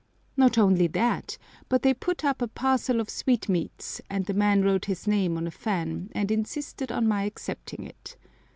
Not only that, but they put up a parcel of sweetmeats, and the man wrote his name on a fan and insisted on my accepting it.